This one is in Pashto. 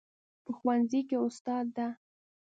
په ښوونځي کې استاد ده